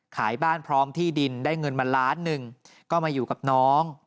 ขายบ้านพร้อมที่ดินได้เงินมาล้านหนึ่งก็มาอยู่กับน้อง